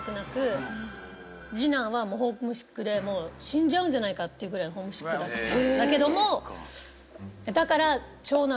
死んじゃうんじゃないかっていうぐらいホームシックだったんだけどもだから。